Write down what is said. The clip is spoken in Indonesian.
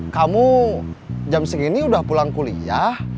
kamu jam segini udah pulang kuliah